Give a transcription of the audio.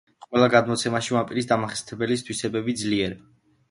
ყველა გადმოცემაში ვამპირის დამახასიათებელი თვისებები ძლიერ განსხვავებულია.